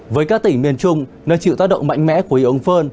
với các tỉnh miền trung nơi chịu tác động mạnh mẽ của hiệu ứng phơn